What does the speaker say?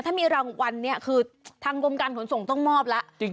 ถ้ามีรางวัลเนี่ยคือทางกรมการขนส่งต้องมอบแล้ว